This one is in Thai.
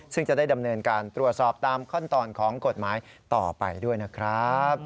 ซึ่งจะได้ดำเนินการตรวจสอบตามขั้นตอนของกฎหมายต่อไปด้วยนะครับ